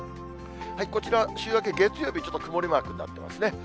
こちら、週明け月曜日、ちょっと曇りマークになってますね。